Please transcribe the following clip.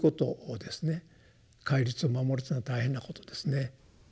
戒律を守るというのは大変なことですね。